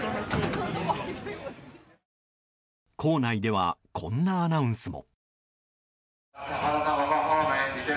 構内ではこんなアナウンスも。